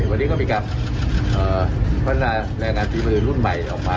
วันนี้ก็มีการพัฒนาแรงงานฝีมือรุ่นใหม่ออกมา